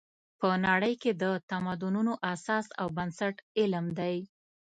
په نړۍ کې د تمدنونو اساس او بنسټ علم دی.